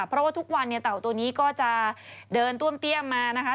เพราะว่าทุกวันเนี่ยเต่าตัวนี้ก็จะเดินต้วมเตี้ยมมานะคะ